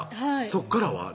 そっからは？